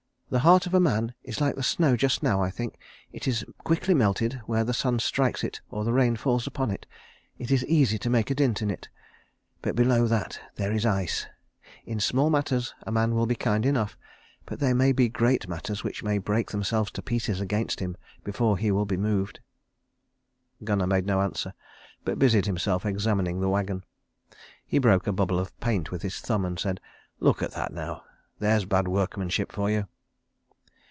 "The heart of a man is like the snow just now, I think. It is quickly melted where the sun strikes it or the rain falls upon it. It is easy to make a dint in it. But below that there is ice. In small matters a man will be kind enough; but there may be great matters which may break themselves to pieces against him before he will be moved." Gunnar made no answer, but busied himself examining the wagon. He broke a bubble of paint with his thumb, and said, "Look at that now. There's bad workmanship for you."